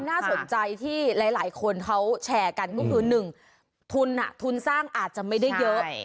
น่าสนใจที่หลายคนเขาแชร์กันก็คือ๑ทุนทุนสร้างอาจจะไม่ได้เยอะ